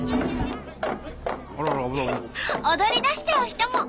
踊りだしちゃう人も！